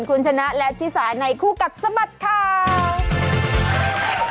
คุณชนะและชิสาในคู่กัดสะบัดข่าว